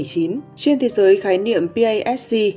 trên thế giới khái niệm pasc